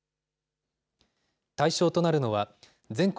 対象となるのは、全国